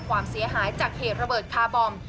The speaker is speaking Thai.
ความเสียหายจากเหตุระเบิดคาร์บอม